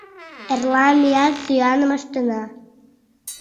Эрла меат сӱаным ыштена.